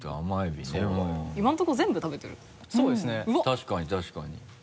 確かに確かに。